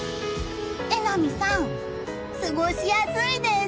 榎並さん、過ごしやすいです。